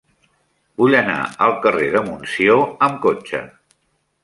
Vull anar al carrer de Montsió amb cotxe.